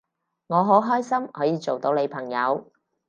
我好開心可以做到你朋友